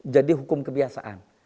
jadi hukum kebiasaan